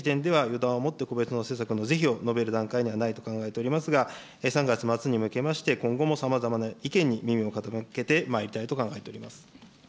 だんをもって個別の政策を是非を述べる段階にはないと考えておりますが、３月末に向けまして、今後もさまざまな意見に耳を傾けてまいりたいと考えております。